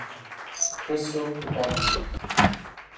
Chrystal gewonnen.